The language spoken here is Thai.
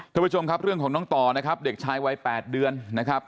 ทุกผู้ชมครับเรื่องของน้องต่อนะครับเด็กชายวัย๘เดือนนะครับ